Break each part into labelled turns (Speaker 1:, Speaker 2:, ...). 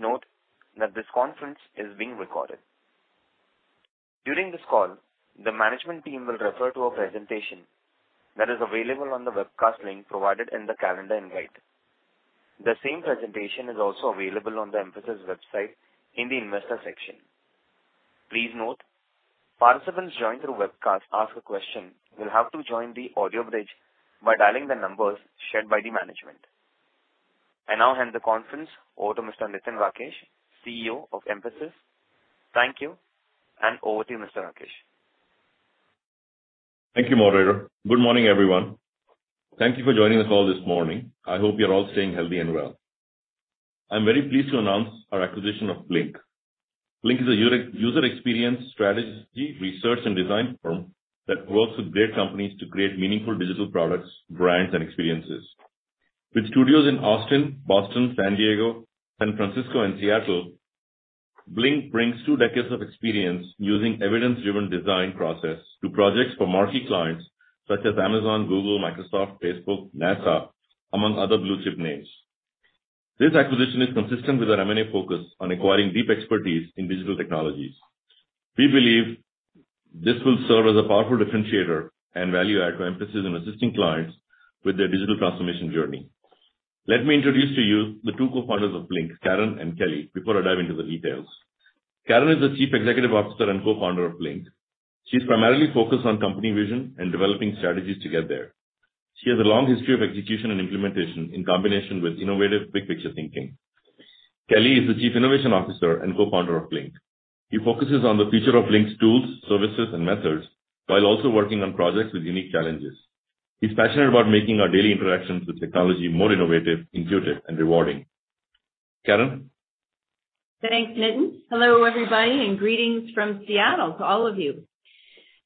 Speaker 1: Please note that this conference is being recorded. During this call, the management team will refer to a presentation that is available on the webcast link provided in the calendar invite. The same presentation is also available on the Mphasis website in the investor section. Please note, participants joining through webcast ask a question will have to join the audio bridge by dialing the numbers shared by the management. I now hand the conference over to Mr. Nitin Rakesh, CEO of Mphasis. Thank you, and over to you, Mr. Rakesh.
Speaker 2: Thank you, moderator. Good morning, everyone. Thank you for joining the call this morning. I hope you're all staying healthy and well. I'm very pleased to announce our acquisition of Blink. Blink is a user experience strategy, research, and design firm that works with great companies to create meaningful digital products, brands, and experiences. With studios in Austin, Boston, San Diego, San Francisco, and Seattle, Blink brings two decades of experience using evidence-driven design process to projects for marquee clients such as Amazon, Google, Microsoft, Facebook, NASA, among other blue-chip names. This acquisition is consistent with our M&A focus on acquiring deep expertise in digital technologies. We believe this will serve as a powerful differentiator and value add to Mphasis in assisting clients with their digital transformation journey. Let me introduce to you the two co-founders of Blink, Karen and Kelly, before I dive into the details. Karen is the chief executive officer and co-founder of Blink. She's primarily focused on company vision and developing strategies to get there. She has a long history of execution and implementation in combination with innovative big-picture thinking. Kelly is the chief innovation officer and co-founder of Blink. He focuses on the future of Blink's tools, services, and methods, while also working on projects with unique challenges. He's passionate about making our daily interactions with technology more innovative, intuitive, and rewarding. Karen?
Speaker 3: Thanks, Nitin. Hello, everybody, greetings from Seattle to all of you.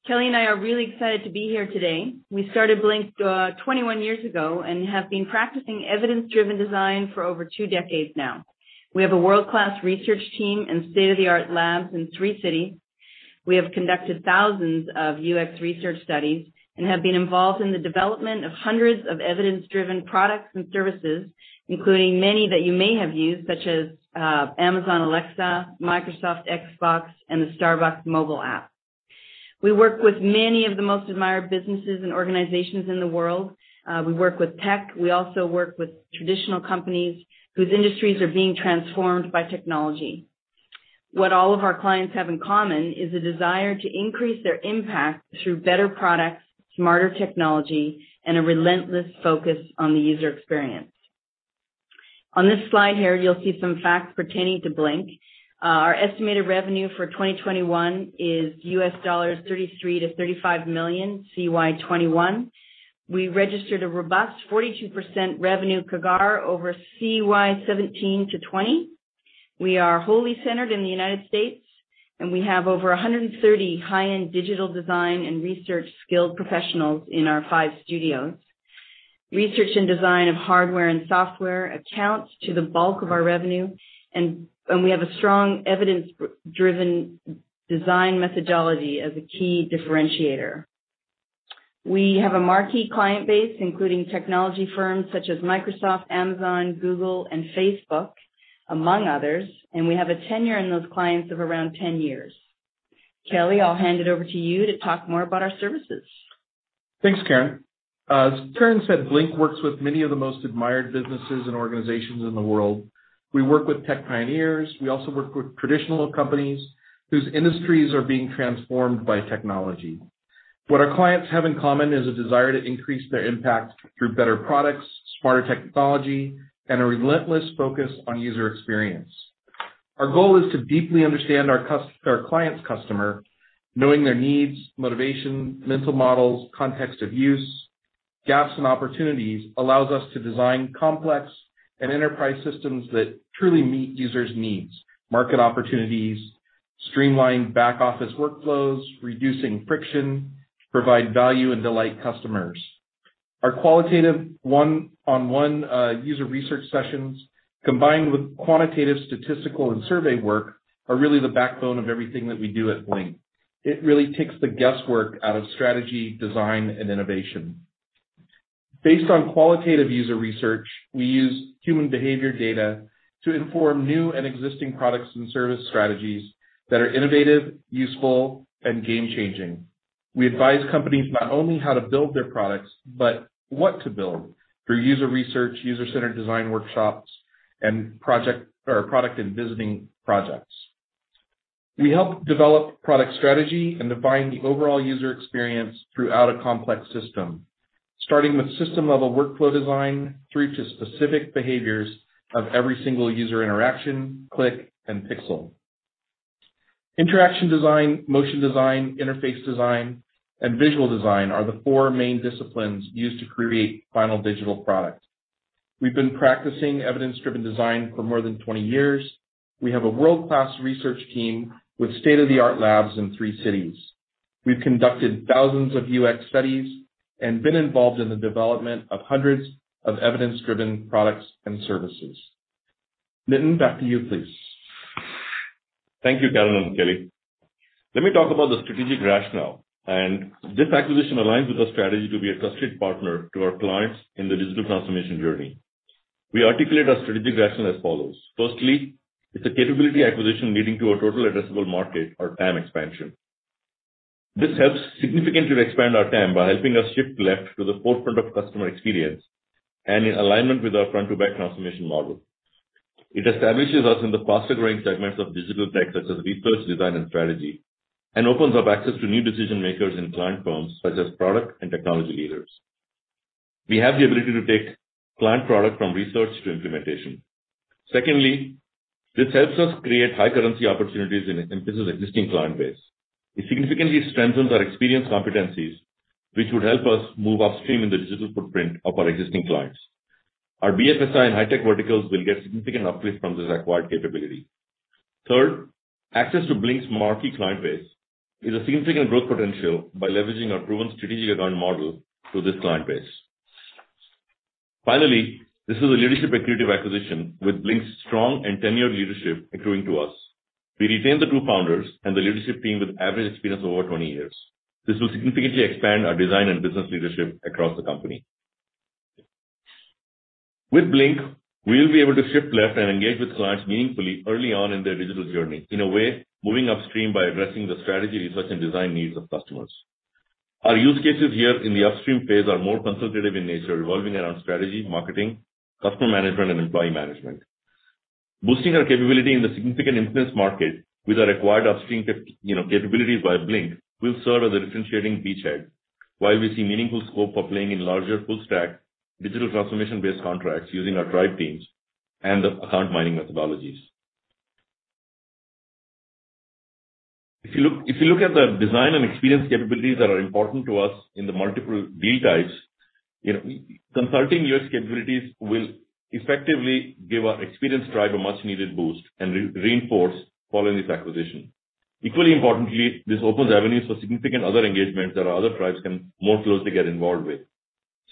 Speaker 3: Kelly and I are really excited to be here today. We started Blink 21 years ago and have been practicing evidence-driven design for over two decades now. We have a world-class research team and state-of-the-art labs in three cities. We have conducted thousands of UX research studies and have been involved in the development of hundreds of evidence-driven products and services, including many that you may have used, such as Amazon Alexa, Microsoft Xbox, and the Starbucks mobile app. We work with many of the most admired businesses and organizations in the world. We work with tech. We also work with traditional companies whose industries are being transformed by technology. What all of our clients have in common is a desire to increase their impact through better products, smarter technology, and a relentless focus on the user experience. On this slide here, you'll see some facts pertaining to Blink. Our estimated revenue for 2021 is US $33 million-$35 million, CY 2021. We registered a robust 42% revenue CAGR over CY 2017 to 2020. We are wholly centered in the U.S., and we have over 130 high-end digital design and research skilled professionals in our five studios. Research and design of hardware and software accounts to the bulk of our revenue, and we have a strong evidence-driven design methodology as a key differentiator. We have a marquee client base, including technology firms such as Microsoft, Amazon, Google, and Facebook, among others, and we have a tenure in those clients of around 10 years. Kelly, I'll hand it over to you to talk more about our services.
Speaker 4: Thanks, Karen. As Karen said, Blink works with many of the most admired businesses and organizations in the world. We work with tech pioneers. We also work with traditional companies whose industries are being transformed by technology. What our clients have in common is a desire to increase their impact through better products, smarter technology, and a relentless focus on user experience. Our goal is to deeply understand our client's customer, knowing their needs, motivation, mental models, context of use. Gaps and opportunities allows us to design complex and enterprise systems that truly meet users' needs, market opportunities, streamline back-office workflows, reducing friction, provide value, and delight customers. Our qualitative one-on-one user research sessions, combined with quantitative statistical and survey work, are really the backbone of everything that we do at Blink. It really takes the guesswork out of strategy, design, and innovation. Based on qualitative user research, we use human behavior data to inform new and existing products and service strategies that are innovative, useful, and game-changing. We advise companies not only how to build their products, but what to build through user research, user-centered design workshops, and product envisioning projects. We help develop product strategy and define the overall user experience throughout a complex system, starting with system-level workflow design through to specific behaviors of every single user interaction, click, and pixel. Interaction design, motion design, interface design, and visual design are the four main disciplines used to create final digital product. We've been practicing evidence-driven design for more than 20 years. We have a world-class research team with state-of-the-art labs in three cities. We've conducted thousands of UX studies and been involved in the development of hundreds of evidence-driven products and services. Nitin, back to you, please.
Speaker 2: Thank you, Karen and Kelly. Let me talk about the strategic rationale. This acquisition aligns with our strategy to be a trusted partner to our clients in their digital transformation journey. We articulate our strategic rationale as follows. Firstly, it's a capability acquisition leading to a total addressable market or TAM expansion. This helps significantly expand our TAM by helping us shift left to the forefront of customer experience and in alignment with our front-to-back transformation model. It establishes us in the faster-growing segments of digital tech, such as research, design, and strategy, and opens up access to new decision-makers in client firms, such as product and technology leaders. We have the ability to take client product from research to implementation. Secondly, this helps us create high currency opportunities in Mphasis' existing client base. It significantly strengthens our experience competencies, which would help us move upstream in the digital footprint of our existing clients. Our BFSI and high-tech verticals will get significant uplift from this acquired capability. Third, access to Blink's marquee client base is a significant growth potential by leveraging our proven strategic account model to this client base. Finally, this is a leadership accretive acquisition with Blink's strong and tenured leadership accruing to us. We retain the two founders and the leadership team with average experience of over 20 years. This will significantly expand our design and business leadership across the company. With Blink, we'll be able to shift left and engage with clients meaningfully early on in their digital journey, in a way, moving upstream by addressing the strategy, research, and design needs of customers. Our use cases here in the upstream phase are more consultative in nature, revolving around strategy, marketing, customer management, and employee management. Boosting our capability in the significant influence market with our acquired upstream capabilities via Blink will serve as a differentiating beachhead while we see meaningful scope for playing in larger full stack digital transformation-based contracts using our tribe teams and the account mining methodologies. If you look at the design and experience capabilities that are important to us in the multiple deal types, consulting UX capabilities will effectively give our experienced tribe a much-needed boost and reinforce following this acquisition. Equally importantly, this opens avenues for significant other engagements that our other tribes can more closely get involved with. It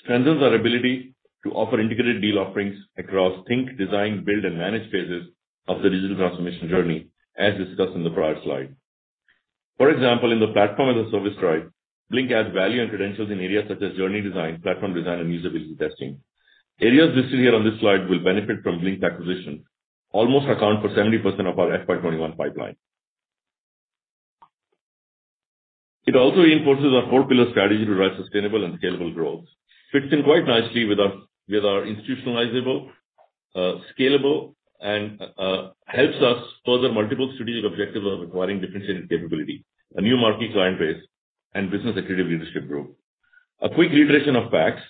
Speaker 2: strengthens our ability to offer integrated deal offerings across think, design, build, and manage phases of the digital transformation journey, as discussed in the prior slide. For example, in the platform as a service tribe, Blink adds value and credentials in areas such as journey design, platform design, and usability testing. Areas listed here on this slide will benefit from Blink's acquisition. Almost account for 70% of our FY 2021 pipeline. It also reinforces our four-pillar strategy to drive sustainable and scalable growth. Fits in quite nicely with our institutionalizable, scalable, and helps us further multiple strategic objectives of acquiring differentiated capability, a new marquee client base, and business accretive industry growth. A quick reiteration of facts.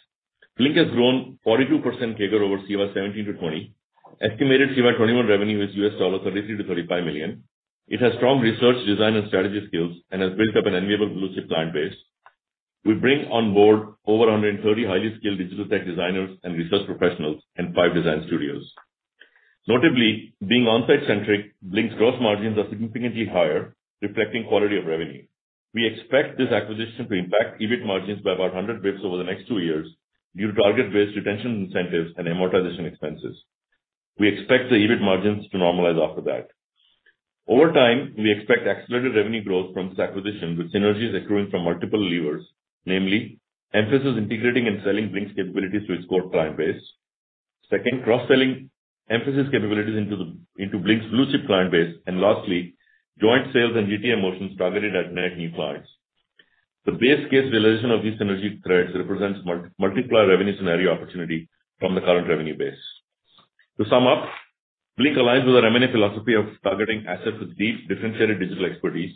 Speaker 2: Blink has grown 42% CAGR over CY 2017 to 2020. Estimated CY 2021 revenue is US $33 million-$35 million. It has strong research, design, and strategy skills and has built up an enviable blue-chip client base. We bring on board over 130 highly skilled digital tech designers and research professionals and 5 design studios. Notably, being on-site centric, Blink's gross margins are significantly higher, reflecting quality of revenue. We expect this acquisition to impact EBIT margins by about 100 basis points over the next two years due to target-based retention incentives and amortization expenses. We expect the EBIT margins to normalize after that. Over time, we expect accelerated revenue growth from this acquisition, with synergies accruing from multiple levers, namely, Mphasis integrating and selling Blink's capabilities to its core client base. Second, cross-selling Mphasis capabilities into Blink's blue-chip client base. Lastly, joint sales and GTM motions targeted at net new clients. The base case realization of these synergy threads represents multiplier revenue scenario opportunity from the current revenue base. To sum up, Blink aligns with our M&A philosophy of targeting assets with deep differentiated digital expertise,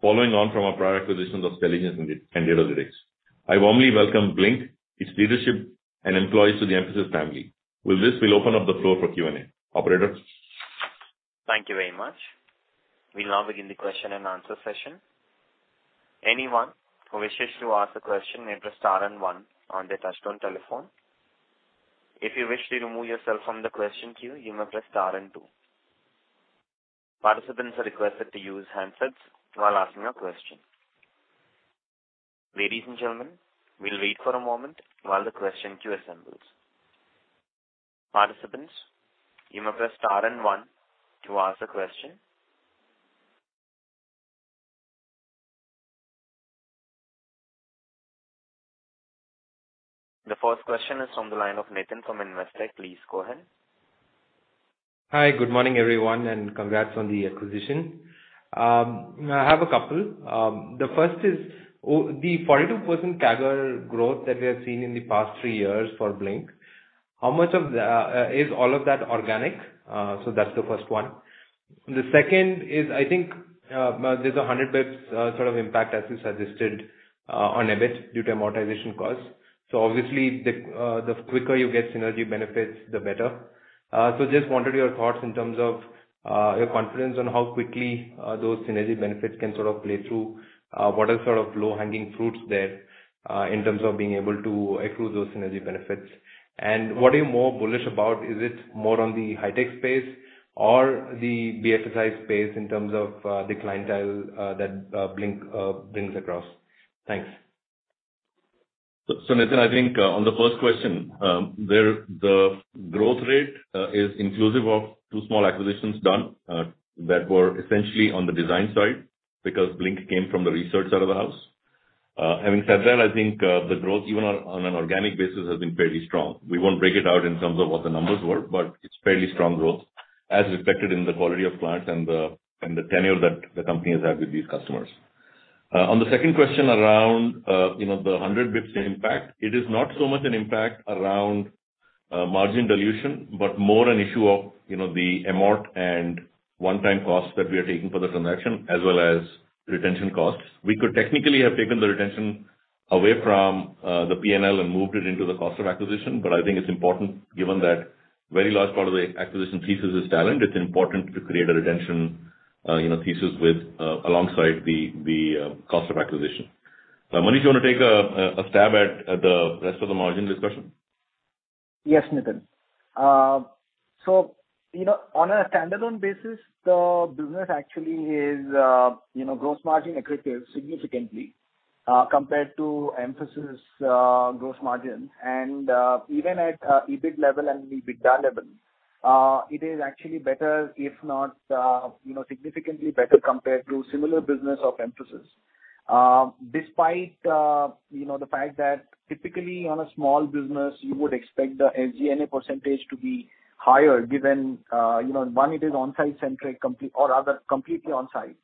Speaker 2: following on from our prior acquisitions of Stelligent and Datalytyx. I warmly welcome Blink, its leadership, and employees to the Mphasis family. With this, we will open up the floor for Q&A. Operator?
Speaker 1: Thank you very much. We will now begin the question and answer session. Anyone who wishes to ask a question may press star and one on their touchtone telephone. If you wish to remove yourself from the question queue, you may press star and two. Participants are requested to use handsets while asking a question. Ladies and gentlemen, we will wait for a moment while the question queue assembles. Participants, you may press star and one to ask a question. The first question is from the line of Nitin Padmanabhan from Investec. Please go ahead.
Speaker 5: Hi. Good morning, everyone, and congrats on the acquisition. I have a couple. The first is, the 42% CAGR growth that we have seen in the past three years for Blink, is all of that organic? That's the first one. The second is, I think, there's 100 basis points sort of impact, as you suggested, on EBIT due to amortization costs. Obviously, the quicker you get synergy benefits, the better. Just wondered your thoughts in terms of your confidence on how quickly those synergy benefits can sort of play through. What are sort of low-hanging fruits there, in terms of being able to accrue those synergy benefits? What are you more bullish about? Is it more on the high-tech space or the BFSI space in terms of the clientele that Blink brings across? Thanks.
Speaker 2: Nitin Rakesh, I think on the first question, the growth rate is inclusive of two small acquisitions done that were essentially on the design side because Blink came from the research side of the house. Having said that, I think the growth even on an organic basis has been fairly strong. We won't break it out in terms of what the numbers were, but it's fairly strong growth as reflected in the quality of clients and the tenure that the company has had with these customers. On the second question around the 100 basis points impact, it is not so much an impact around margin dilution, but more an issue of the amort and one-time cost that we are taking for the transaction as well as retention costs. We could technically have taken the retention away from the P&L and moved it into the cost of acquisition, but I think it's important given that very large part of the acquisition thesis is talent, it's important to create a retention thesis alongside the cost of acquisition. Manish, you want to take a stab at the rest of the margin discussion?
Speaker 6: Yes, Nitin Rakesh. On a standalone basis, the business actually is gross margin accretive significantly, compared to Mphasis' gross margin. Even at EBIT level and EBITDA level, it is actually better if not significantly better compared to similar business of Mphasis. Despite the fact that typically on a small business, you would expect the SG&A percentage to be higher given, one, it is on-site centric or rather completely on-site.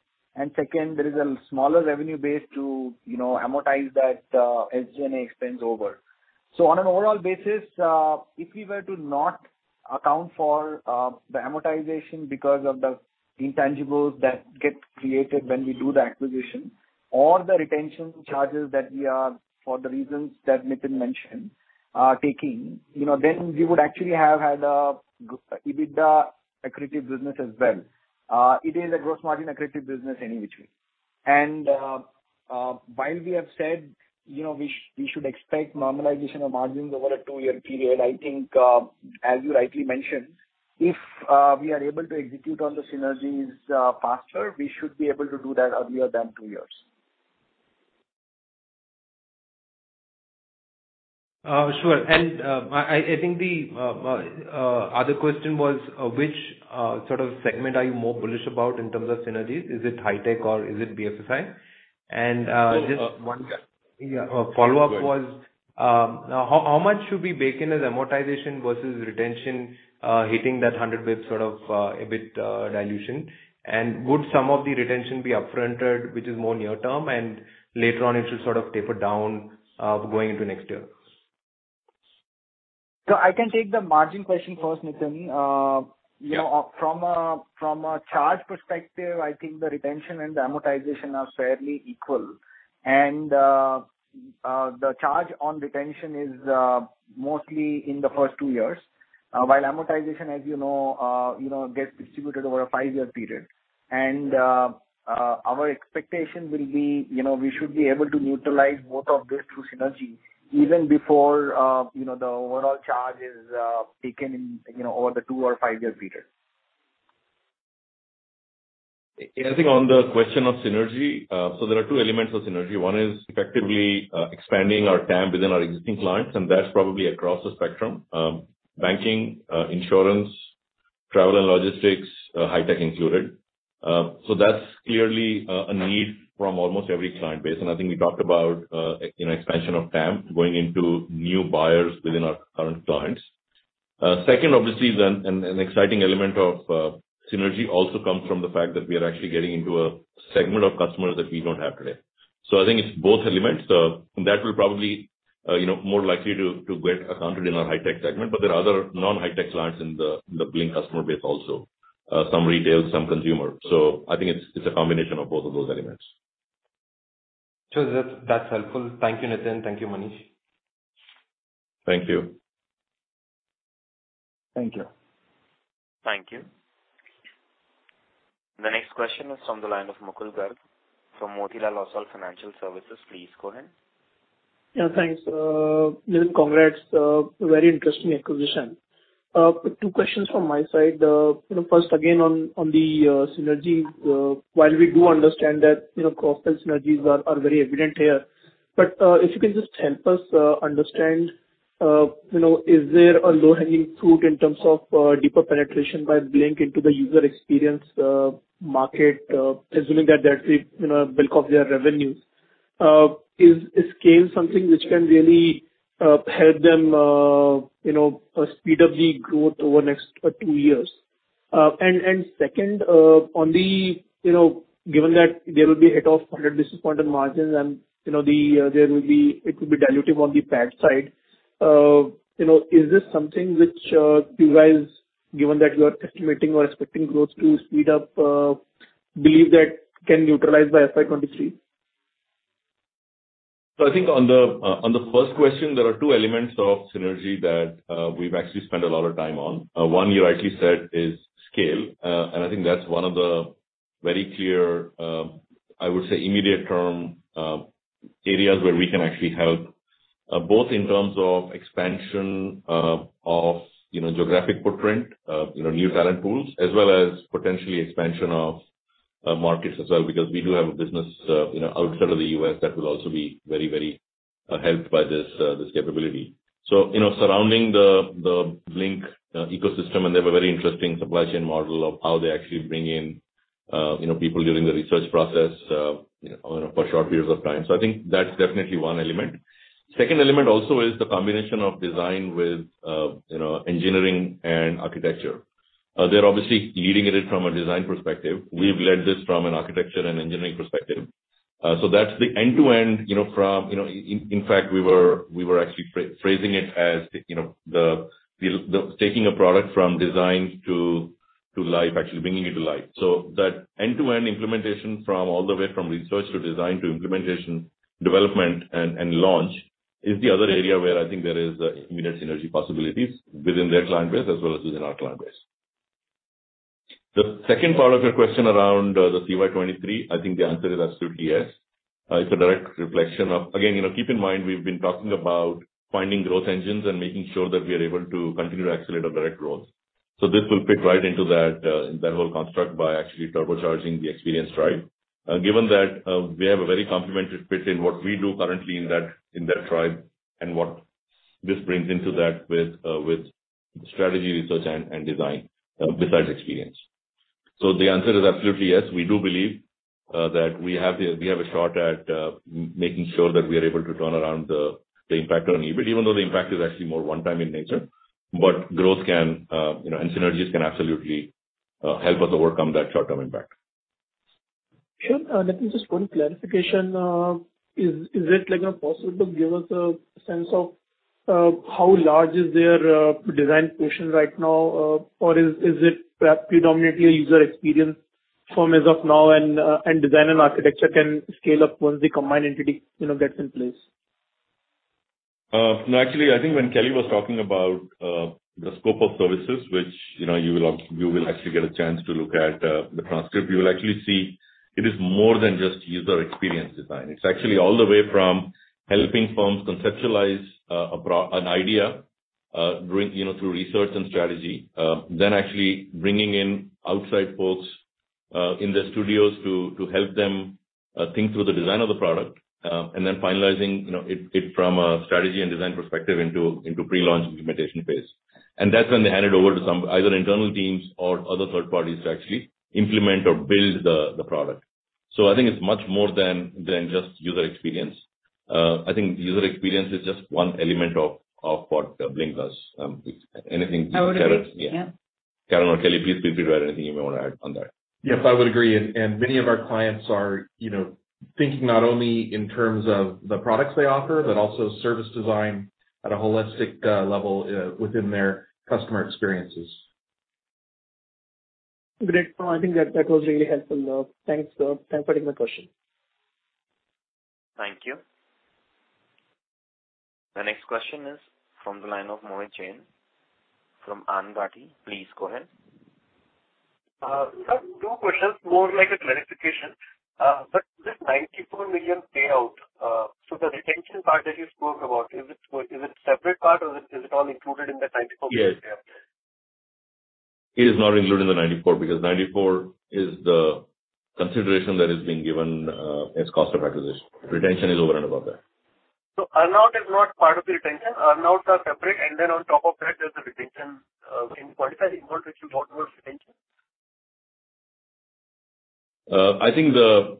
Speaker 6: Second, there is a smaller revenue base to amortize that SG&A expense over. On an overall basis, if we were to not account for the amortization because of the intangibles that get created when we do the acquisition or the retention charges that we are, for the reasons that Nitin Rakesh mentioned, are taking, then we would actually have had a EBITDA accretive business as well. It is a gross margin accretive business any which way. While we have said we should expect normalization of margins over a two-year period, I think as you rightly mentioned, if we are able to execute on the synergies faster, we should be able to do that earlier than two years.
Speaker 5: Sure. I think the other question was which sort of segment are you more bullish about in terms of synergies? Is it high tech or is it BFSI?
Speaker 2: Yeah.
Speaker 5: Follow-up was, how much should we bake in as amortization versus retention hitting that 100 basis points sort of EBIT dilution? Would some of the retention be up front-loaded, which is more near term and later on it should sort of taper down going into next year?
Speaker 6: I can take the margin question first, Nitin.
Speaker 5: Yeah.
Speaker 6: From a charge perspective, I think the retention and the amortization are fairly equal and the charge on retention is mostly in the first two years. While amortization as you know gets distributed over a five-year period. Our expectation will be we should be able to utilize both of those through synergy even before the overall charge is taken over the two or five-year period.
Speaker 2: I think on the question of synergy. There are two elements of synergy. One is effectively expanding our TAM within our existing clients, and that's probably across the spectrum. Banking, insurance, travel and logistics, high tech included. That's clearly a need from almost every client base. I think we talked about expansion of TAM going into new buyers within our current clients. Second, obviously, an exciting element of synergy also comes from the fact that we are actually getting into a segment of customers that we don't have today. I think it's both elements. That will probably more likely to get accounted in our high tech segment. There are other non-high tech clients in the Blink customer base also. Some retail, some consumer. I think it's a combination of both of those elements.
Speaker 5: Sure. That's helpful. Thank you, Nitin. Thank you, Manish.
Speaker 2: Thank you.
Speaker 6: Thank you.
Speaker 1: Thank you. The next question is from the line of Mukul Garg from Motilal Oswal Financial Services. Please go ahead.
Speaker 7: Yeah, thanks. Nitin, congrats. Very interesting acquisition. Two questions from my side. First, again, on the synergy. While we do understand that cost synergies are very evident here, but if you can just help us understand, is there a low-hanging fruit in terms of deeper penetration by Blink into the user experience market? Assuming that that's a bulk of their revenues. Is scale something which can really help them speed up the growth over next two years? Second, given that there will be a hit of 100 basis points on margins and it will be dilutive on the PAT side. Is this something which you guys, given that you are estimating or expecting growth to speed up, believe that can neutralize by FY 2023?
Speaker 2: I think on the first question, there are two elements of synergy that we've actually spent a lot of time on. One you rightly said is scale. I think that's one of the very clear, I would say, immediate term areas where we can actually help. Both in terms of expansion of geographic footprint, new talent pools, as well as potentially expansion of markets as well, because we do have a business outside of the U.S. that will also be very helped by this capability. Surrounding the Blink ecosystem, and they have a very interesting supply chain model of how they actually bring in people during the research process for short periods of time. I think that's definitely one element. Second element also is the combination of design with engineering and architecture. They're obviously leading it from a design perspective. We've led this from an architecture and engineering perspective. That's the end-to-end, in fact, we were actually phrasing it as taking a product from design to life, actually bringing it to life. That end-to-end implementation from all the way from research to design to implementation, development and launch is the other area where I think there is immediate synergy possibilities within their client base as well as within our client base. The second part of your question around the CY 2023, I think the answer is absolutely yes. Keep in mind, we've been talking about finding growth engines and making sure that we are able to continue to accelerate our direct growth. This will fit right into that whole construct by actually turbocharging the experience tribe. Given that we have a very complementary fit in what we do currently in that tribe and what this brings into that with strategy, research and design, besides experience. The answer is absolutely yes. We do believe that we have a shot at making sure that we are able to turn around the impact on EBITDA, even though the impact is actually more one time in nature. Growth and synergies can absolutely help us overcome that short-term impact.
Speaker 7: Sure. One clarification. Is it possible to give us a sense of how large is their design portion right now? Or is it predominantly a UX firm as of now and design and architecture can scale up once the combined entity gets in place?
Speaker 2: No, actually, I think when Kelly was talking about the scope of services, which you will actually get a chance to look at the transcript, you will actually see it is more than just user experience design. It's actually all the way from helping firms conceptualize an idea through research and strategy, then actually bringing in outside folks in the studios to help them think through the design of the product, and then finalizing it from a strategy and design perspective into pre-launch implementation phase. That's when they hand it over to some either internal teams or other third parties to actually implement or build the product. I think it's much more than just user experience. I think user experience is just one element of what Blink does.
Speaker 6: I would agree. Yeah.
Speaker 2: Kelly or Karen, please feel free to add anything you may want to add on that.
Speaker 4: Yes, I would agree. Many of our clients are thinking not only in terms of the products they offer, but also service design at a holistic level within their customer experiences.
Speaker 7: Great. I think that was really helpful though. Thanks. Thank you for taking the question.
Speaker 1: Thank you. The next question is from the line of Mohit Jain from Anand Rathi. Please go ahead.
Speaker 8: Sir, two questions, more like a clarification. This 94 million payout, so the retention part that you spoke about, is it separate part or is it all included in that 94 million payout?
Speaker 2: It is not included in the 94, because 94 is the consideration that is being given as cost of acquisition. Retention is over and above that.
Speaker 8: Earn-out is not part of the retention. Earn-outs are separate, and then on top of that, there's a retention. Can you quantify the amount which you got towards retention?
Speaker 2: I think the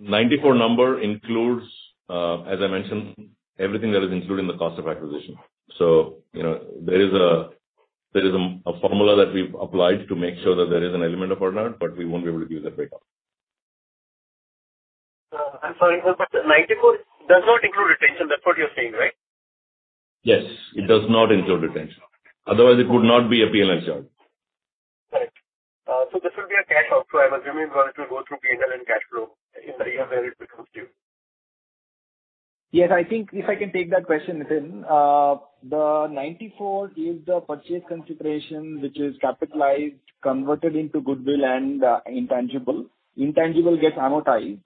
Speaker 2: 94 number includes, as I mentioned, everything that is included in the cost of acquisition. There is a formula that we've applied to make sure that there is an element of earn-out. We won't be able to give that breakup.
Speaker 8: I'm sorry, sir, but the 94 does not include retention. That's what you're saying, right?
Speaker 2: Yes, it does not include retention. Otherwise, it would not be a P&L charge.
Speaker 8: This will be a cash out. I'm assuming it will go through P&L and cash flow in the year where it becomes due.
Speaker 6: Yes, I think if I can take that question, Nitin. The 94 is the purchase consideration, which is capitalized, converted into goodwill and intangible. Intangible gets amortized.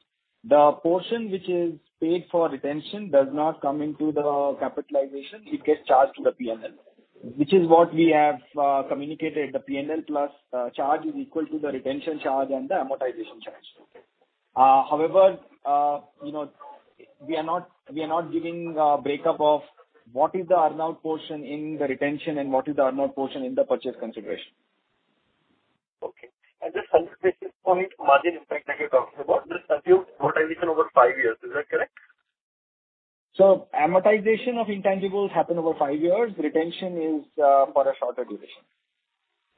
Speaker 6: The portion which is paid for retention does not come into the capitalization. It gets charged to the P&L, which is what we have communicated. The P&L plus charge is equal to the retention charge and the amortization charge.
Speaker 8: Okay.
Speaker 6: However, we are not giving a breakup of what is the earn-out portion in the retention and what is the earn-out portion in the purchase consideration.
Speaker 8: Okay. Just 100 basis points margin impact that you're talking about, this assumes amortization over five years. Is that correct?
Speaker 6: Amortization of intangibles happen over five years. Retention is for a shorter duration.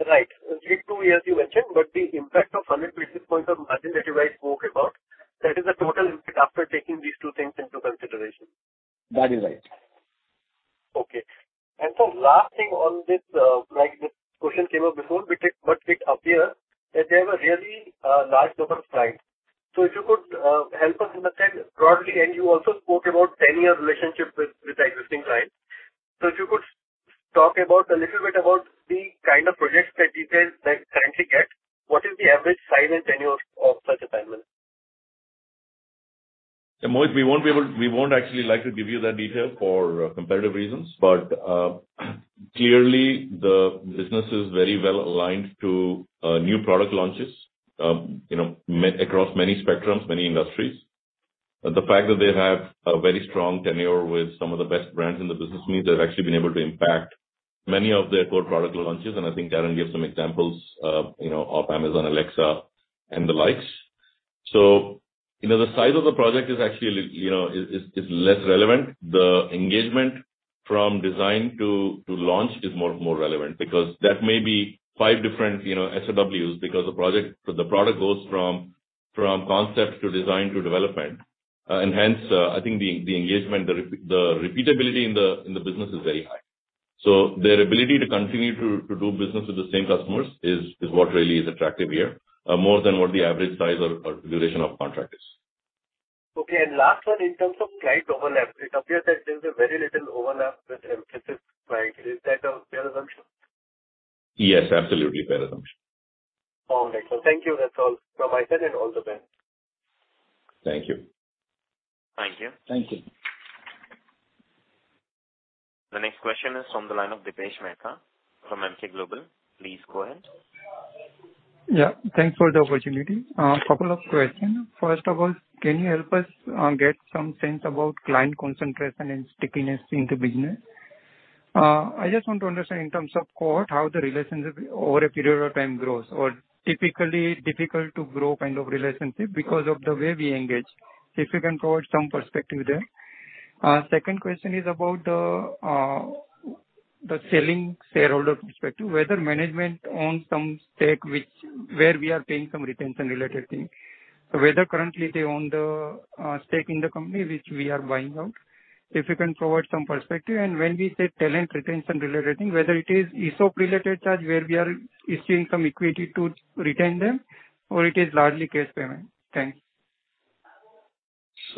Speaker 8: Right. These two years you mentioned, but the impact of 100 basis points of margin that you guys spoke about, that is the total impact after taking these two things into consideration.
Speaker 6: That is right.
Speaker 8: Okay. Sir, last thing on this. This question came up before, but it appears that they have a really large number of clients. If you could help us understand broadly, and you also spoke about 10-year relationship with existing clients. If you could talk a little bit about the kind of projects that you guys currently get, what is the average size and tenure of such assignments?
Speaker 2: Mohit, we won't actually like to give you that detail for competitive reasons. Clearly, the business is very well-aligned to new product launches across many spectrums, many industries. The fact that they have a very strong tenure with some of the best brands in the business means they've actually been able to impact many of their core product launches, and I think Karen gave some examples of Amazon Alexa and the likes. The size of the project is less relevant. The engagement from design to launch is more relevant because that may be five different SOWs because the product goes from concept to design to development. Hence, I think the engagement, the repeatability in the business is very high. Their ability to continue to do business with the same customers is what really is attractive here, more than what the average size or duration of contract is.
Speaker 8: Okay. Last one, in terms of client overlap, it appears that there's a very little overlap with Mphasis clients. Is that a fair assumption?
Speaker 2: Yes, absolutely fair assumption.
Speaker 8: All right. Thank you. That's all from my side and also Ben.
Speaker 2: Thank you.
Speaker 1: Thank you.
Speaker 9: Thank you.
Speaker 1: The next question is from the line of Dipesh Mehta from Emkay Global. Please go ahead.
Speaker 9: Thanks for the opportunity. A couple of questions. First of all, can you help us get some sense about client concentration and stickiness in the business? I just want to understand in terms of core, how the relationship over a period of time grows, or typically difficult to grow kind of relationship because of the way we engage. If you can provide some perspective there. Second question is about the selling shareholder perspective, whether management owns some stake where we are paying some retention-related thing. Whether currently they own the stake in the company which we are buying out, if you can provide some perspective. When we say talent retention-related thing, whether it is ESOP-related charge where we are issuing some equity to retain them or it is largely cash payment. Thanks.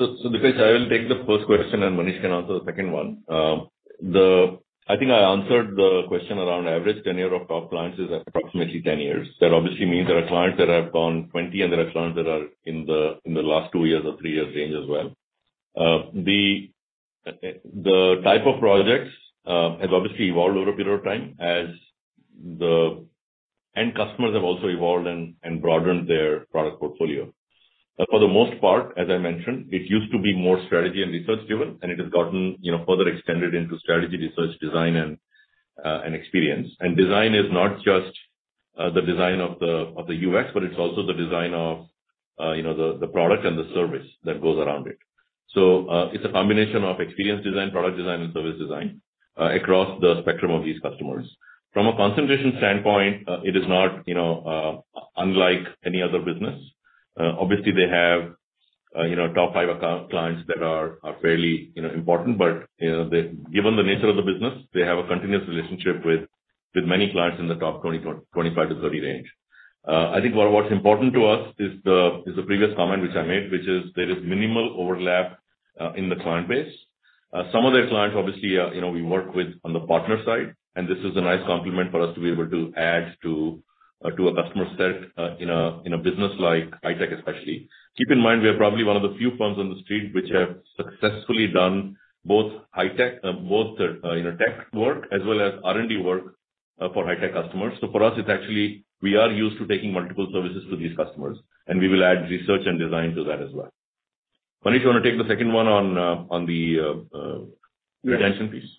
Speaker 2: Dipesh, I will take the first question and Manish can answer the second one. I think I answered the question around average tenure of top clients is approximately 10 years. That obviously means there are clients that have gone 20 and there are clients that are in the last two years or three years range as well. The type of projects have obviously evolved over a period of time as the end customers have also evolved and broadened their product portfolio. For the most part, as I mentioned, it used to be more strategy and research driven, and it has gotten further extended into strategy, research, design and experience. Design is not just the design of the UX, but it's also the design of the product and the service that goes around it. It's a combination of experience design, product design, and service design across the spectrum of these customers. From a concentration standpoint, it is not unlike any other business. Obviously, they have top five clients that are fairly important, but given the nature of the business, they have a continuous relationship with many clients in the top 25-30 range. I think what's important to us is the previous comment which I made, which is there is minimal overlap in the client base. Some of their clients, obviously, we work with on the partner side, and this is a nice complement for us to be able to add to a customer set in a business like high tech especially. Keep in mind, we are probably one of the few firms on the street which have successfully done both tech work as well as R&D work for high-tech customers. For us, it's actually we are used to taking multiple services to these customers, and we will add research and design to that as well. Manish, you want to take the second one on the retention piece?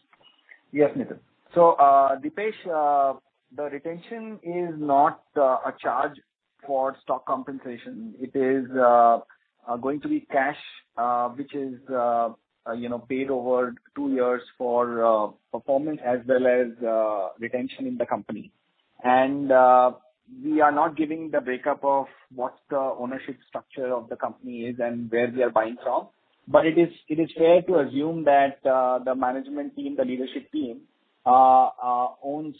Speaker 6: Yes, Nitin. Dipesh, the retention is not a charge for stock compensation. It is going to be cash which is paid over two years for performance as well as retention in the company. We are not giving the breakup of what the ownership structure of the company is and where we are buying from. It is fair to assume that the management team, the leadership team owns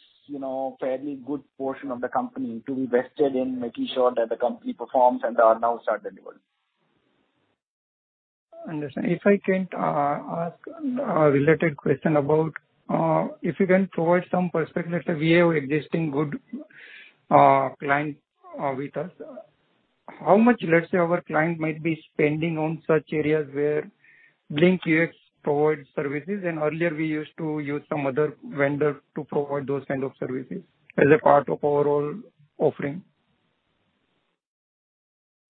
Speaker 6: fairly good portion of the company to be vested in making sure that the company performs and the RNOs are delivered.
Speaker 9: Understand. If I can ask a related question about if you can provide some perspective, let's say we have existing good client with us. How much, let's say, our client might be spending on such areas where Blink UX provides services and earlier we used to use some other vendor to provide those kind of services as a part of overall offering?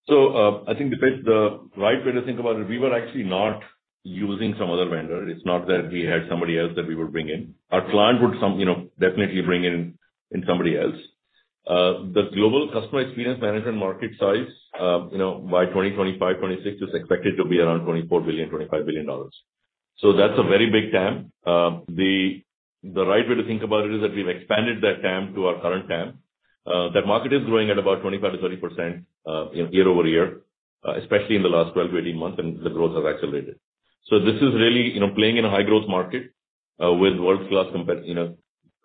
Speaker 2: I think, Dipesh, the right way to think about it, we were actually not using some other vendor. It's not that we had somebody else that we would bring in. Our client would definitely bring in somebody else. The global customer experience management market size by 2025, 2026, is expected to be around $24 billion, $25 billion. That's a very big TAM. The right way to think about it is that we've expanded that TAM to our current TAM. That market is growing at about 25%-30% year-over-year, especially in the last 12 months-18 months, and the growth has accelerated. This is really playing in a high-growth market with world-class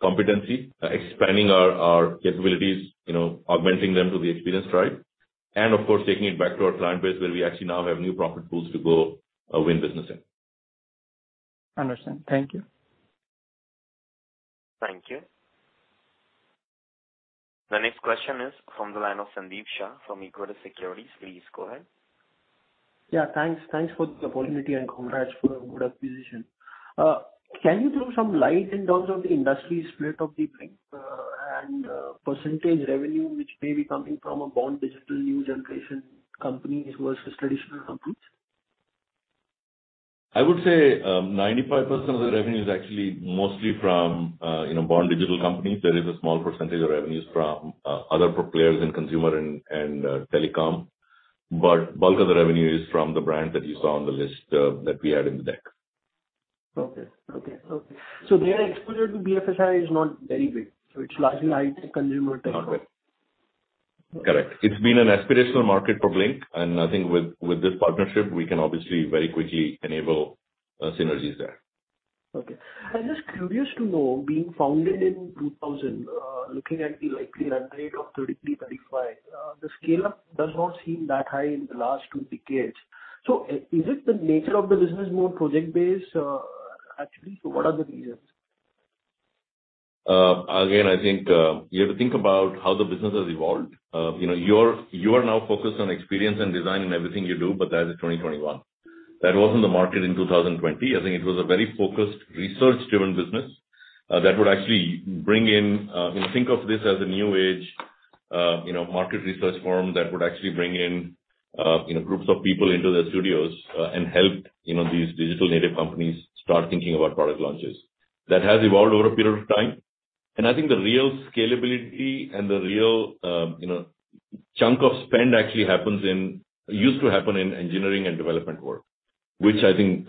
Speaker 2: competency, expanding our capabilities, augmenting them to the experience tribe, and of course, taking it back to our client base where we actually now have new profit pools to go win business in.
Speaker 9: Understand. Thank you.
Speaker 1: Thank you. This question is from the line of Sandeep Shah from Equirus Securities. Please go ahead.
Speaker 10: Yeah, thanks for the opportunity, and congrats for a good acquisition. Can you throw some light in terms of the industry split of the Blink and percentage revenue which may be coming from a born-digital new generation companies versus traditional companies?
Speaker 2: I would say 95% of the revenue is actually mostly from born-digital companies. There is a small percentage of revenues from other players in consumer and telecom, but bulk of the revenue is from the brands that you saw on the list that we had in the deck.
Speaker 10: Okay. Their exposure to BFSI is not very big. It's largely consumer tech.
Speaker 2: Correct. It's been an aspirational market for Blink, and I think with this partnership, we can obviously very quickly enable synergies there.
Speaker 10: Okay. I'm just curious to know, being founded in 2000, looking at the likely run rate of $33 million-$35 million, the scale-up does not seem that high in the last two decades. Is it the nature of the business more project-based, actually, so what are the reasons?
Speaker 2: Again, I think you have to think about how the business has evolved. You are now focused on experience and design in everything you do, but that is 2021. That wasn't the market in 2020. I think it was a very focused, research-driven business. Think of this as a new age market research firm that would actually bring in groups of people into their studios and help these digital native companies start thinking about product launches. That has evolved over a period of time, and I think the real scalability and the real chunk of spend actually used to happen in engineering and development work, which I think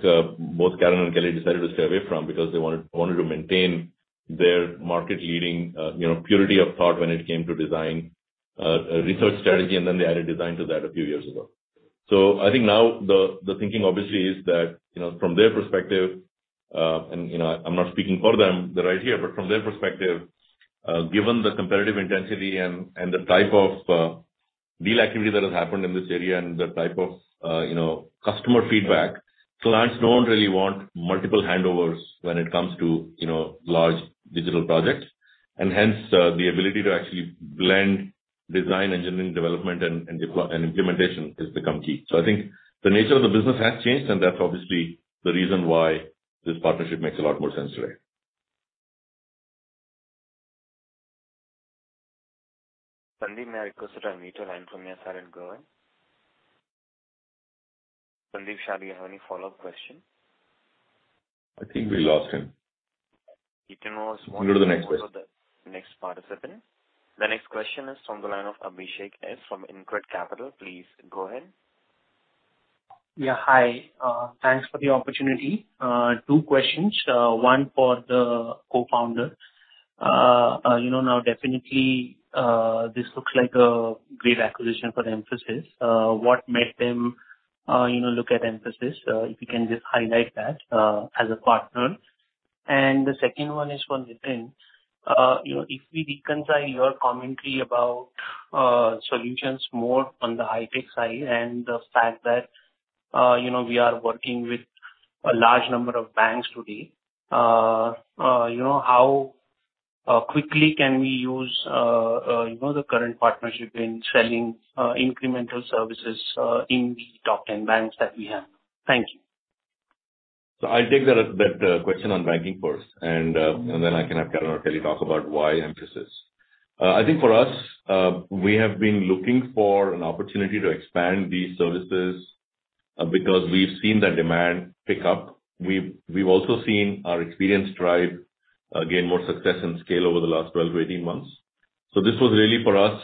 Speaker 2: both Karen and Kelly decided to stay away from because they wanted to maintain their market leading purity of thought when it came to design a research strategy, and then they added design to that a few years ago. I think now the thinking obviously is that from their perspective, and I'm not speaking for them, they're right here, but from their perspective, given the competitive intensity and the type of deal activity that has happened in this area and the type of customer feedback, clients don't really want multiple handovers when it comes to large digital projects. Hence, the ability to actually blend design, engineering, development, and implementation has become key. I think the nature of the business has changed, and that's obviously the reason why this partnership makes a lot more sense today.
Speaker 1: Sandeep, may I request that I mute your line from your side and go on. Sandeep Shah, do you have any follow-up question?
Speaker 2: I think we lost him.
Speaker 1: You can always-
Speaker 2: We can go to the next question.
Speaker 1: Next participant. The next question is from the line of Abhishek Shindadkar from InCred Capital. Please go ahead.
Speaker 11: Yeah. Hi. Thanks for the opportunity. Two questions. One for the co-founder. Definitely, this looks like a great acquisition for Mphasis. What made them look at Mphasis? If you can just highlight that as a partner. The second one is for Nitin. If we reconcile your commentary about solutions more on the high-tech side and the fact that we are working with a large number of banks today, how quickly can we use the current partnership in selling incremental services in the top 10 banks that we have? Thank you.
Speaker 2: I'll take that question on banking first, and then I can have Karen or Kelly talk about why Mphasis. I think for us, we have been looking for an opportunity to expand these services because we've seen the demand pick up. We've also seen our experience drive gain more success and scale over the last 12 months 18 months. This was really for us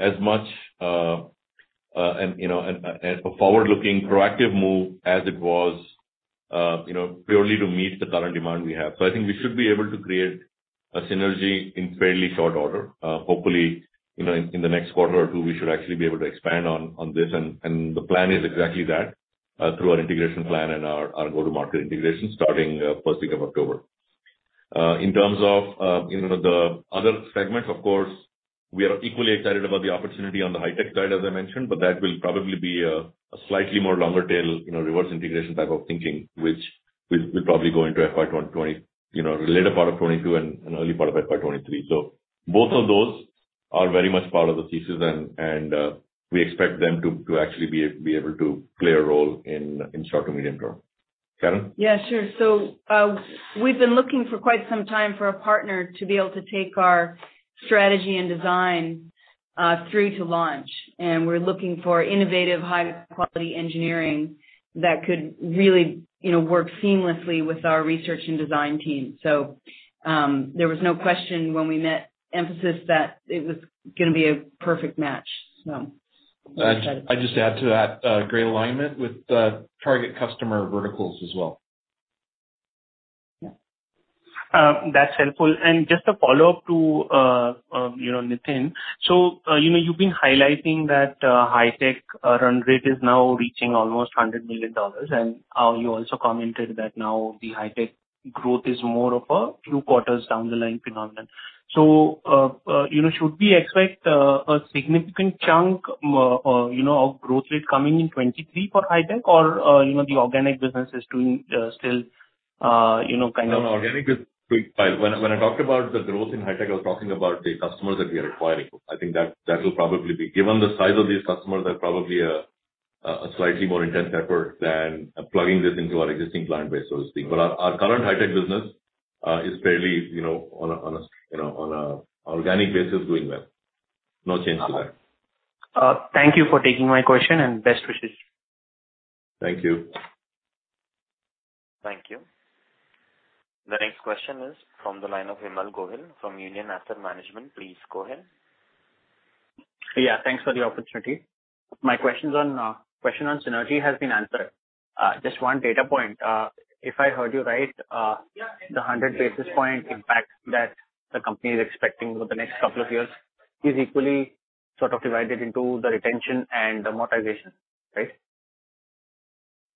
Speaker 2: as much a forward-looking, proactive move as it was purely to meet the current demand we have. I think we should be able to create a synergy in fairly short order. Hopefully, in the next quarter or two, we should actually be able to expand on this. The plan is exactly that through our integration plan and our go-to-market integration starting 1st week of October. In terms of the other segment, of course, we are equally excited about the opportunity on the high-tech side, as I mentioned, but that will probably be a slightly more longer tail reverse integration type of thinking, which will probably go into later part of 2022 and early part of FY 2023. Both of those are very much part of the thesis and we expect them to actually be able to play a role in short to medium term. Karen?
Speaker 3: Yeah, sure. We've been looking for quite some time for a partner to be able to take our strategy and design through to launch. We're looking for innovative, high quality engineering that could really work seamlessly with our research and design team. There was no question when we met Mphasis that it was going to be a perfect match.
Speaker 2: I'd just add to that. Great alignment with target customer verticals as well.
Speaker 11: That's helpful. Just a follow-up to Nitin. You've been highlighting that high-tech run rate is now reaching almost $100 million, and you also commented that now the high-tech growth is more of a few quarters down the line phenomenon. Should we expect a significant chunk of growth rate coming in 2023 for high-tech or the organic business is doing still.
Speaker 2: Organic is big. When I talked about the growth in high tech, I was talking about the customers that we are acquiring. I think that will probably be given the size of these customers are probably a slightly more intense effort than plugging this into our existing client base sort of thing. Our current high tech business is fairly, on a organic basis, doing well. No change to that.
Speaker 11: Thank you for taking my question and best wishes.
Speaker 2: Thank you.
Speaker 1: Thank you. The next question is from the line of Vimal Gohil from Union Asset Management. Please go ahead.
Speaker 12: Yeah, thanks for the opportunity. My question on synergy has been answered. Just one data point. If I heard you right, the 100 basis point impact that the company is expecting over the next couple of years is equally sort of divided into the retention and amortization, right?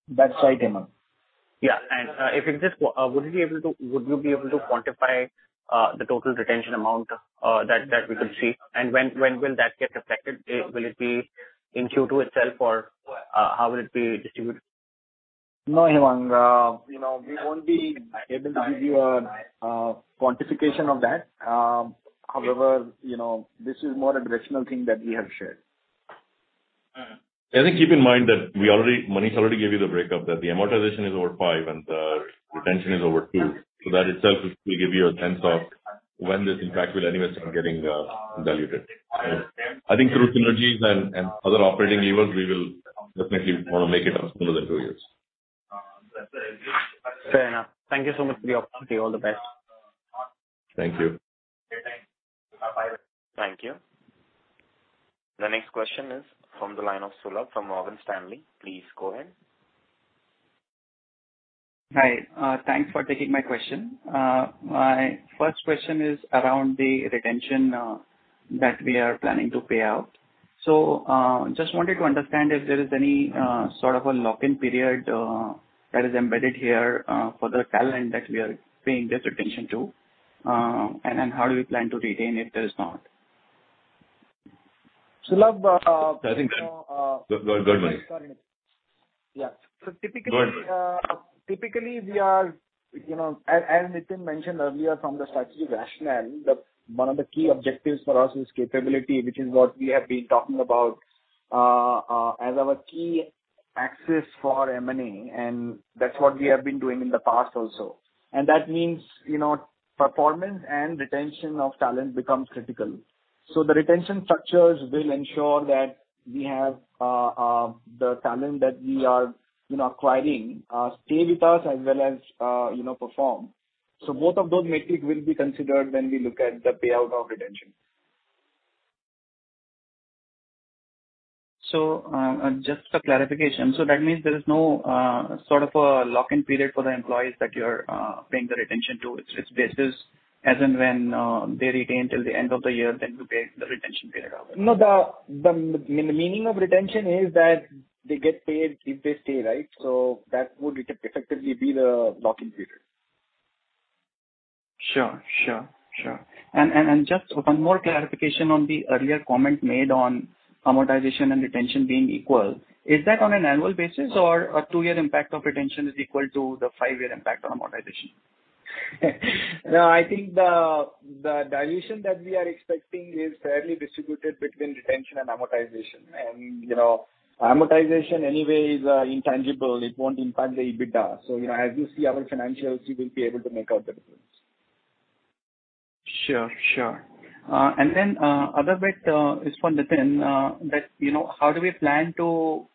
Speaker 6: That's right, Vimal.
Speaker 12: Yeah. Would you be able to quantify the total retention amount that we could see, and when will that get affected? Will it be in Q2 itself, or how will it be distributed?
Speaker 6: No, Vimal, we won't be able to give you a quantification of that. However, this is more a directional thing that we have shared.
Speaker 2: I think keep in mind that Manish already gave you the breakup, that the amortization is over five and the retention is over two. That itself will give you a sense of when this impact will anyway start getting diluted. I think through synergies and other operating levers, we will definitely want to make it up sooner than two years.
Speaker 12: Fair enough. Thank you so much for the opportunity. All the best.
Speaker 2: Thank you.
Speaker 12: Okay, thanks. Bye.
Speaker 1: Thank you. The next question is from the line of Sulabh from Morgan Stanley. Please go ahead.
Speaker 13: Hi. Thanks for taking my question. My first question is around the retention that we are planning to pay out. Just wanted to understand if there is any sort of a lock-in period that is embedded here for the talent that we are paying this retention to, and how do you plan to retain if there is not.
Speaker 6: Sulabh-
Speaker 2: I think go, Manish.
Speaker 6: Yeah.
Speaker 2: Go on.
Speaker 6: Typically, as Nitin mentioned earlier from the strategic rationale, one of the key objectives for us is capability, which is what we have been talking about as our key axis for M&A, and that's what we have been doing in the past also. That means performance and retention of talent becomes critical. The retention structures will ensure that we have the talent that we are acquiring stay with us as well as perform. Both of those metrics will be considered when we look at the payout of retention.
Speaker 13: Just a clarification. That means there is no sort of a lock-in period for the employees that you're paying the retention to. It's basis as and when they retain till the end of the year, then you pay the retention period out.
Speaker 6: No, the meaning of retention is that they get paid if they stay, right? That would effectively be the lock-in period.
Speaker 13: Sure. Just one more clarification on the earlier comment made on amortization and retention being equal. Is that on an annual basis or a two-year impact of retention is equal to the five-year impact on amortization?
Speaker 6: No, I think the dilution that we are expecting is fairly distributed between retention and amortization. Amortization anyway is intangible. It won't impact the EBITDA. As you see our financials, you will be able to make out the difference.
Speaker 13: Sure. Other bit is for Nitin, how do we plan to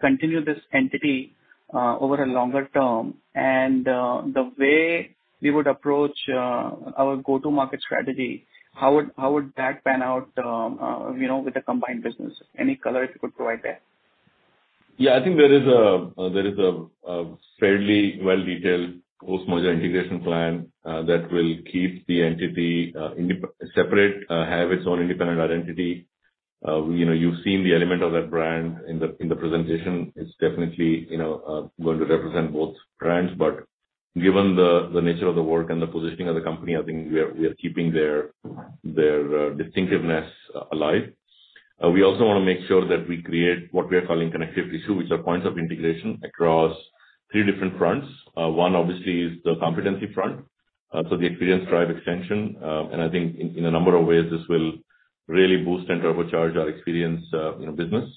Speaker 13: continue this entity over a longer term and the way we would approach our go-to-market strategy, how would that pan out with the combined business? Any color you could provide there?
Speaker 2: Yeah, I think there is a fairly well-detailed post-merger integration plan that will keep the entity separate, have its own independent identity. You've seen the element of that brand in the presentation. It's definitely going to represent both brands, but given the nature of the work and the positioning of the company, I think we are keeping their distinctiveness alive. We also want to make sure that we create what we are calling connectivity too, which are points of integration across three different fronts. One obviously is the competency front. The experience drive extension, and I think in a number of ways, this will really boost and turbocharge our experience business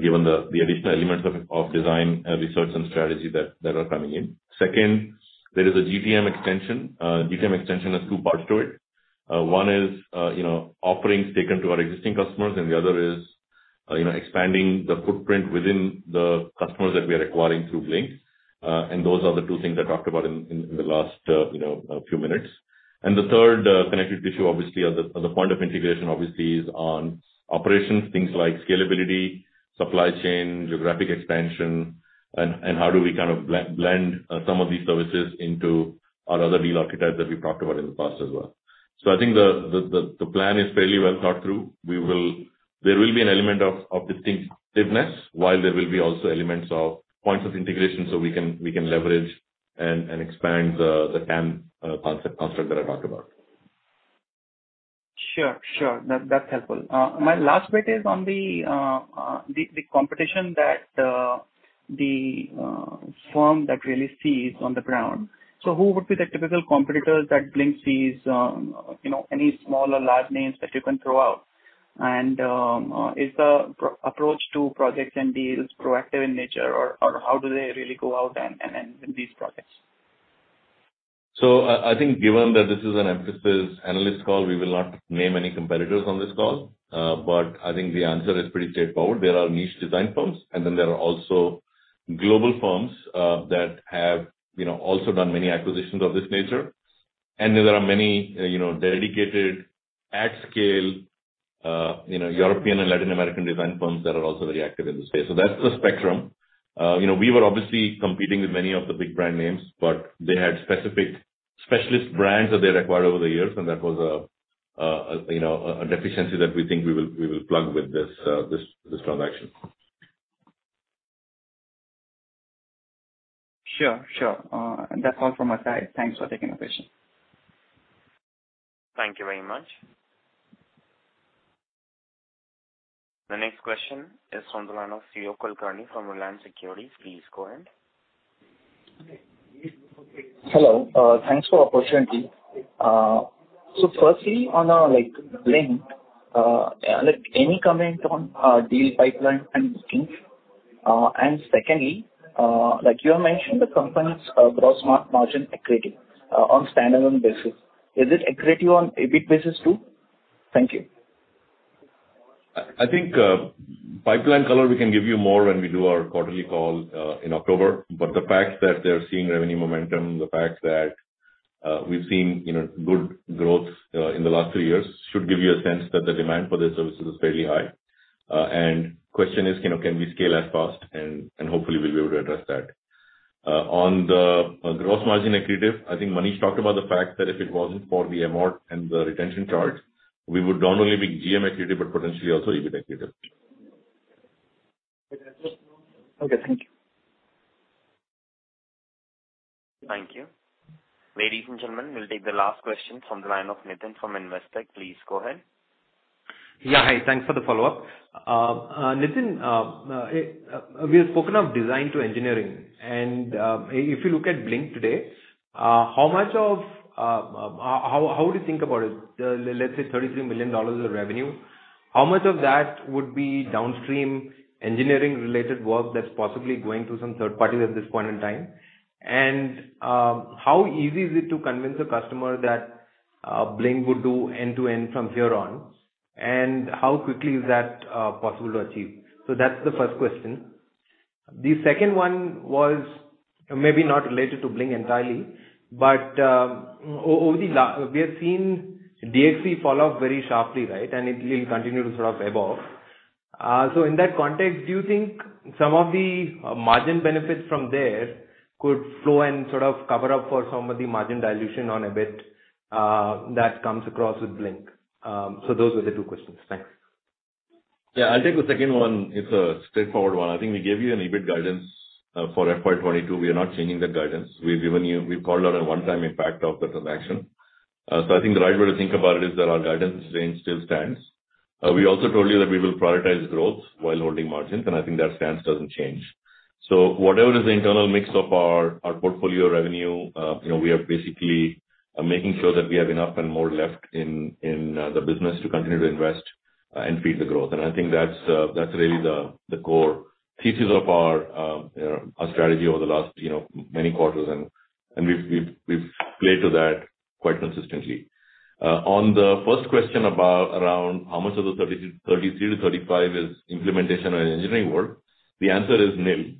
Speaker 2: given the additional elements of design, research, and strategy that are coming in. Second, there is a GTM extension. GTM extension has two parts to it. One is offerings taken to our existing customers and the other is expanding the footprint within the customers that we are acquiring through Blink. Those are the two things I talked about in the last few minutes. The third connectivity issue obviously as a point of integration obviously is on operations, things like scalability, supply chain, geographic expansion, and how do we kind of blend some of these services into our other deal archetypes that we've talked about in the past as well. I think the plan is fairly well thought through. There will be an element of distinctiveness while there will be also elements of points of integration so we can leverage and expand the TAM construct that I talked about.
Speaker 13: Sure. That's helpful. My last bit is on the competition that the firm that really sees on the ground. Who would be the typical competitors that Blink sees? Any small or large names that you can throw out. And is the approach to projects and deals proactive in nature, or how do they really go out and win these projects?
Speaker 2: I think given that this is an Mphasis analyst call, we will not name any competitors on this call. I think the answer is pretty straightforward. There are niche design firms, and then there are also global firms that have also done many acquisitions of this nature. There are many dedicated at scale European and Latin American design firms that are also very active in this space. That's the spectrum. We were obviously competing with many of the big brand names, but they had specific specialist brands that they acquired over the years, and that was a deficiency that we think we will plug with this transaction.
Speaker 13: Sure. That's all from my side. Thanks for taking the question.
Speaker 1: Thank you very much. The next question is from the line of Suyog Kulkarni from Reliance Securities. Please go ahead.
Speaker 14: Hello. Thanks for the opportunity. Firstly, on Blink, any comment on deal pipeline and bookings? Secondly, like you have mentioned, the company's gross margin accretive on standalone basis. Is it accretive on EBIT basis, too? Thank you.
Speaker 2: I think pipeline color we can give you more when we do our quarterly call in October. The fact that they're seeing revenue momentum, the fact that we've seen good growth in the last three years should give you a sense that the demand for their services is fairly high. Question is, can we scale as fast? Hopefully we'll be able to address that. On the gross margin accretive, I think Manish talked about the fact that if it wasn't for the amort and the retention charge, we would not only be GM accretive, but potentially also EBIT accretive.
Speaker 14: Okay, thank you.
Speaker 1: Thank you. Ladies and gentlemen, we'll take the last question from the line of Nitin from Investec. Please go ahead.
Speaker 5: Hi, thanks for the follow-up. Nitin, we have spoken of design to engineering. If you look at Blink today, how do you think about it, let's say $33 million of revenue, how much of that would be downstream engineering-related work that's possibly going through some third parties at this point in time? How easy is it to convince a customer that Blink would do end-to-end from here on? How quickly is that possible to achieve? That's the first question. The second one was maybe not related to Blink entirely. We have seen DXC fall off very sharply, right? It will continue to sort of ebb off. In that context, do you think some of the margin benefits from there could flow and sort of cover up for some of the margin dilution on EBIT that comes across with Blink? Those were the two questions. Thanks.
Speaker 2: Yeah, I'll take the second one. It's a straightforward one. I think we gave you an EBIT guidance for FY 2022. We are not changing that guidance. We've called out a one-time impact of the transaction. I think the right way to think about it is that our guidance range still stands. We also told you that we will prioritize growth while holding margins. I think that stance doesn't change. Whatever is the internal mix of our portfolio revenue, we are basically making sure that we have enough and more left in the business to continue to invest and feed the growth. I think that's really the core thesis of our strategy over the last many quarters, and we've played to that quite consistently. On the first question around how much of the $33 million-$35 million is implementation or engineering work, the answer is nil,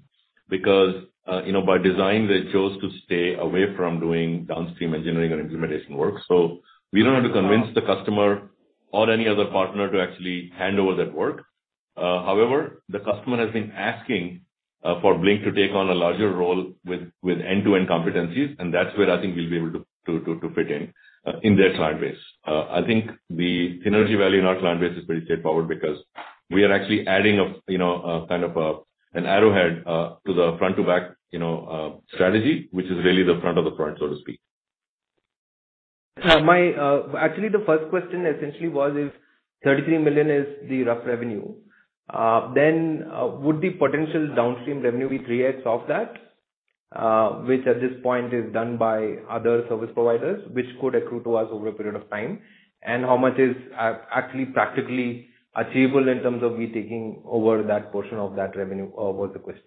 Speaker 2: because by design, they chose to stay away from doing downstream engineering or implementation work. We don't have to convince the customer or any other partner to actually hand over that work. However, the customer has been asking for Blink to take on a larger role with end-to-end competencies, and that's where I think we'll be able to fit in in their client base. I think the synergy value in our client base is pretty straightforward because we are actually adding a kind of an arrowhead to the front-to-back strategy, which is really the front of the front, so to speak.
Speaker 5: Actually, the first question essentially was if $33 million is the rough revenue, then would the potential downstream revenue be 3x of that? Which at this point is done by other service providers, which could accrue to us over a period of time. How much is actually practically achievable in terms of we taking over that portion of that revenue, was the question.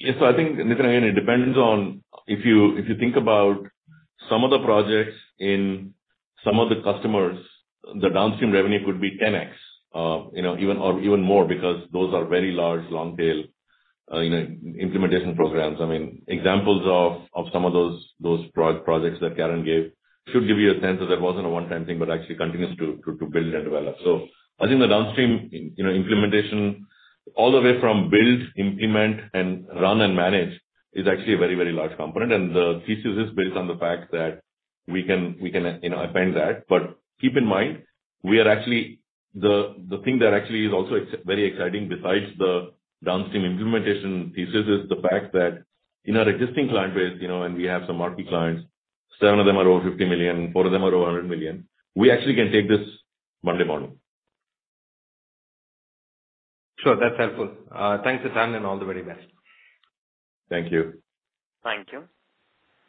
Speaker 2: I think, Nitin, it depends on if you think about some of the projects in some of the customers, the downstream revenue could be 10x or even more because those are very large long tail implementation programs. Examples of some of those projects that Karen gave should give you a sense that it wasn't a one-time thing but actually continues to build and develop. I think the downstream implementation all the way from build, implement, and run and manage is actually a very large component. The thesis is built on the fact that we can append that. Keep in mind, the thing that actually is also very exciting besides the downstream implementation thesis is the fact that in our existing client base, and we have some marquee clients, seven of them are over 50 million, four of them are over 100 million. We actually can take this Monday morning.
Speaker 5: Sure. That's helpful. Thanks, Sadanand, and all the very best.
Speaker 2: Thank you.
Speaker 1: Thank you.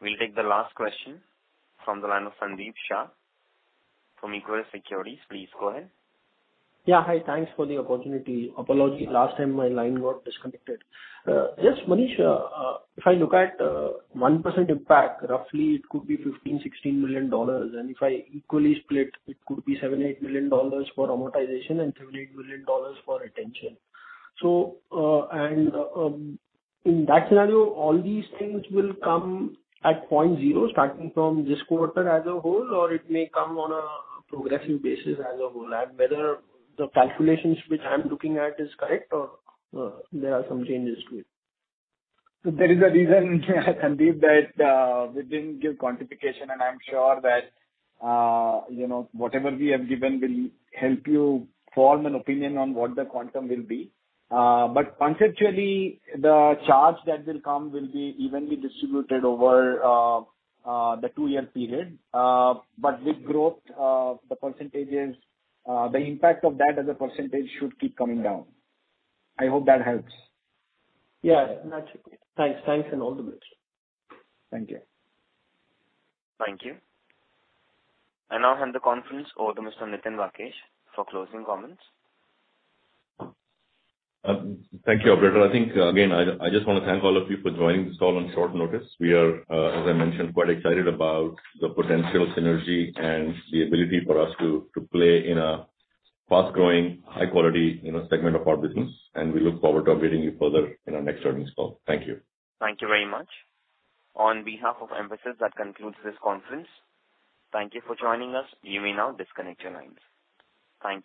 Speaker 1: We'll take the last question from the line of Sandeep Shah from Equirus Securities. Please go ahead.
Speaker 10: Yeah. Hi. Thanks for the opportunity. Apology, last time my line got disconnected. Manish, if I look at 1% impact, roughly it could be INR 15 million-INR 16 million. If I equally split, it could be INR 7 million-INR 8 million for amortization and INR 7 million-INR 8 million for retention. In that scenario, all these things will come at point zero, starting from this quarter as a whole, or it may come on a progressive basis as a whole? Whether the calculations which I'm looking at is correct or there are some changes to it?
Speaker 6: There is a reason Sandeep that we didn't give quantification and I'm sure that whatever we have given will help you form an opinion on what the quantum will be. Conceptually, the charge that will come will be evenly distributed over the two-year period. With growth, the impact of that as a percentage should keep coming down. I hope that helps.
Speaker 10: Yeah. Got you. Thanks and all the best.
Speaker 6: Thank you.
Speaker 1: Thank you. I now hand the conference over to Mr. Nitin Rakesh for closing comments.
Speaker 2: Thank you, operator. I think, again, I just want to thank all of you for joining this call on short notice. We are, as I mentioned, quite excited about the potential synergy and the ability for us to play in a fast-growing, high quality segment of our business, and we look forward to updating you further in our next earnings call. Thank you.
Speaker 1: Thank you very much. On behalf of Mphasis, that concludes this conference. Thank you for joining us. You may now disconnect your lines. Thank you.